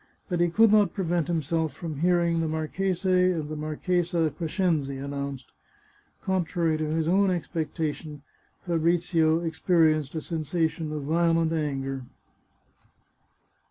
But he could not prevent himself from hearing the Marchese and Marchesa Crescenzi announced. Contrary to his own expectation, Fa brizio experienced a sensation of violent anger.